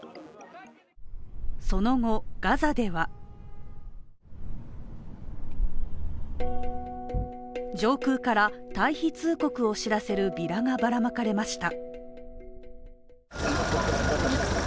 その後、ガザでは上空から退避通告を知らせるビラがばらまかれました。